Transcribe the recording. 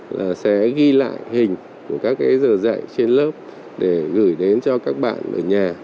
là sẽ ghi lại hình của các cái giờ dạy trên lớp để gửi đến cho các bạn ở nhà